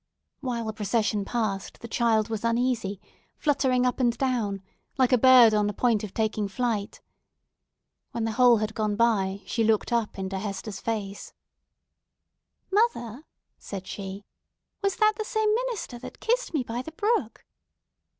While the procession passed, the child was uneasy, fluttering up and down, like a bird on the point of taking flight. When the whole had gone by, she looked up into Hester's face— "Mother," said she, "was that the same minister that kissed me by the brook?"